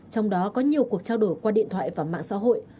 trong đó có nhiều cuộc trao đổi qua điện thoại và mạng xã hội